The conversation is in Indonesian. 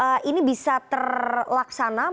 mengingat kita tidak pernah melakukan recovery aset